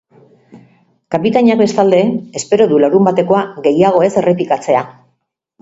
Kapitainak bestalde, espero du larunbatekoa gehiago ez errepikatzea.